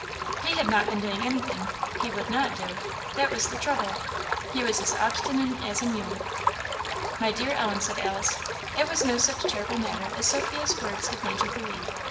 "He had not been doing anything; he would not do that was the trouble; he was as obstinate as a mule." "My dear Ellen," said Alice, "it was no such terrible matter as Sophia's words have made you believe.